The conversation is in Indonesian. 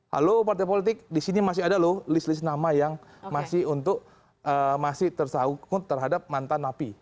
halo partai politik di sini masih ada loh list list nama yang masih untuk masih tersangkut terhadap mantan napi